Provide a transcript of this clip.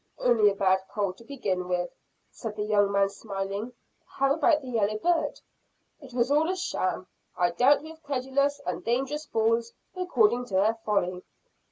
"Only a bad cold to begin with," said the young man smiling. "How about the yellow bird?" "It was all a sham. I dealt with credulous and dangerous fools according to their folly."